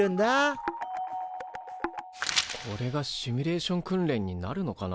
これがシミュレーション訓練になるのかな？